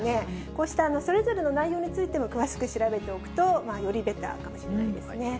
こうしたそれぞれの内容についても詳しく調べておくと、よりベターかもしれないですね。